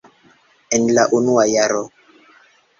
En la unua jaro.